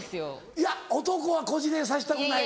いや男はこじれさせたくない。